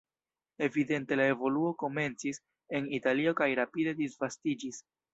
Evidente la evoluo komencis en Italio kaj rapide disvastiĝis.